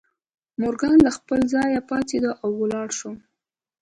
مورګان له خپل ځایه پاڅېد او ولاړ شو